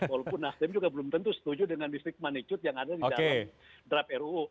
walaupun nasdem juga belum tentu setuju dengan distrik manitude yang ada di dalam draft ruu